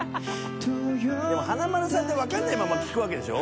でも華丸さんってわかんないまま聴くわけでしょ。